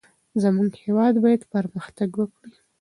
زمونږ هیواد باید پرمختګ وکړي.